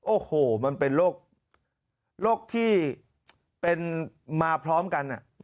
โอ้โหมันเป็นโรคที่เป็นมาพร้อมกัน